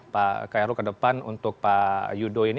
pak khairul ke depan untuk pak yudho ini